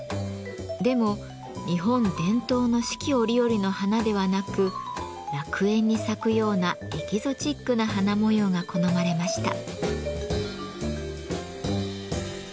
でも日本伝統の四季折々の花ではなく「楽園」に咲くようなエキゾチックな花模様が好まれました。